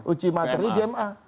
uji materi dma